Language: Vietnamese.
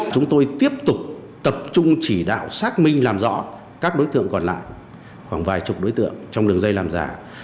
chúng tôi tiếp tục tập trung chỉ đạo xác minh làm rõ các đối tượng còn lại khoảng vài chục đối tượng trong đường dây làm giả